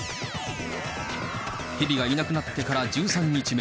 ヘビがいなくなってから１３日目。